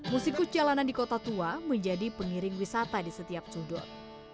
musikus jalanan di kota tua menjadi pengiring wisata di setiap sudut